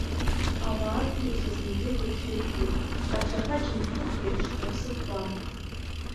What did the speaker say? Ауаатыҩса зынӡа игыгшәыгхеит, аҽаԥа Џьамхәыхәиеиԥш рыԥсы ҭәуам.